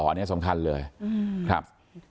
อันนี้สำคัญเลยครับ